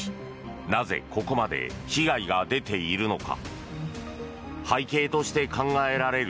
なぜ、ここまで被害が出ているのか。